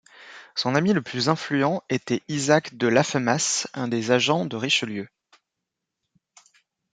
Son ami le plus influent était Isaac de Laffemas, un des agents de Richelieu.